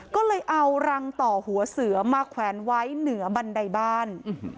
ก็เลยเอารังต่อหัวเสือมาแขวนไว้เหนือบันไดบ้าน